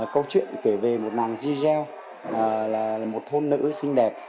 câu chuyện kể về một nàng jean gell là một thôn nữ xinh đẹp